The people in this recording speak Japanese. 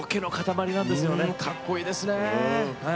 かっこいいですね。